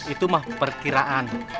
itu mah perkiraan